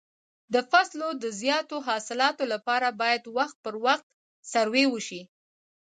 د فصلو د زیاتو حاصلاتو لپاره باید وخت پر وخت سروې وشي.